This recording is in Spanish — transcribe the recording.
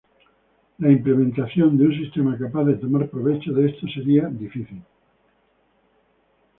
La implementación de un sistema capaz de tomar provecho de esto sería difícil.